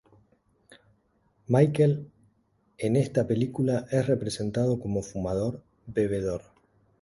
Michael en esta película es representado como fumador, bebedor.